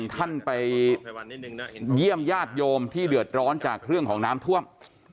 ท่านไปเยี่ยมญาติโยมที่เดือดร้อนจากเรื่องของน้ำท่วม